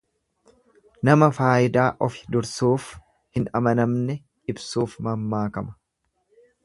Nama faayidaa ofi dursuuf hin amanamne ibsuuf mammaakama.